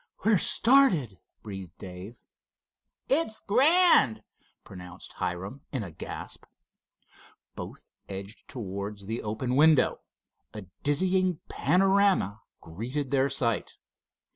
"We're started!" breathed Dave. "It's grand!" pronounced Hiram, in a gasp. Both edged towards the open window. A dizzying panorama greeted their sight.